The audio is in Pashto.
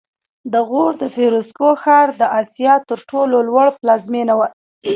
د غور د فیروزکوه ښار د اسیا تر ټولو لوړ پلازمېنه وه